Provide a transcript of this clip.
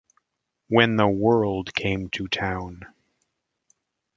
"When the World Came to Town".